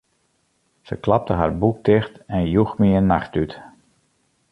Se klapte har boek ticht en joech my in nachttút.